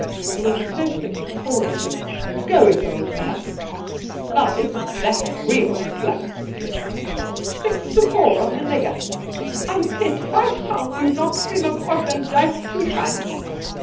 There The Pool 177 was a perfect chorus of, ' Go it, old man !'' Now, isn't that real pluck ?'' Six to four on the nigger !'' I pet fife pound you not swim agross and dife two times.'